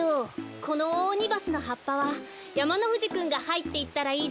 このオオオニバスのはっぱはやまのふじくんがはいっていったらいいですよ。